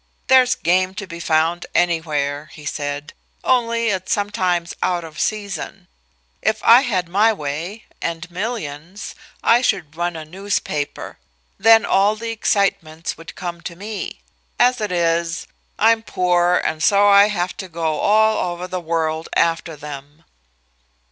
"There's game to be found anywhere," he said, "only it's sometimes out of season. If I had my way and millions I should run a newspaper. Then all the excitements would come to me. As it is I'm poor, and so I have to go all over the world after them."